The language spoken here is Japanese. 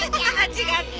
違った。